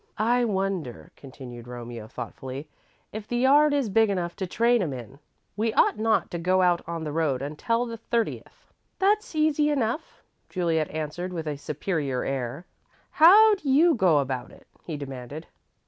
"I wonder," continued Romeo, thoughtfully, "if the yard is big enough to train 'em in. We ought not to go out on the road until the thirtieth." "That's easy enough," Juliet answered, with a superior air. "How'd you go about it?" he demanded.